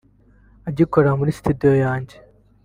agikorera muri Studio yanjye